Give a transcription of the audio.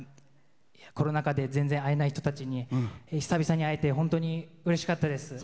コロナ禍で全然会えない人たちに久々に会えて本当にうれしかったです。